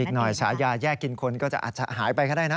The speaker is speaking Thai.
อีกหน่อยฉายาแยกกินคนก็จะอาจจะหายไปก็ได้นะ